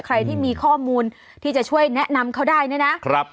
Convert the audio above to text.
ใครที่มีข้อมูลที่จะช่วยแนะนำเขาได้นะ